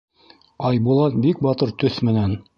Айбулат бик батыр төҫ менән: